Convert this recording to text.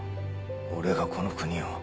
俺がこの国を。